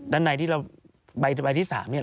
ด้านในที่เราใบที่๓เนี่ย